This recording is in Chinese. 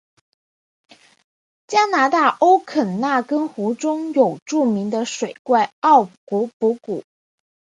加拿大欧肯纳根湖中有著名的水怪奥古布古。